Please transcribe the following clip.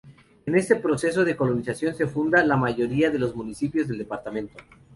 En este proceso de colonización se funda la mayoría de los municipios del departamento.